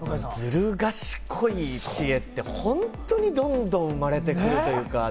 ずる賢い知恵って本当どんどん生まれてくるというか。